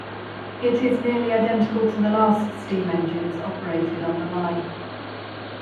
It is nearly identical to the last steam engines operated on the line.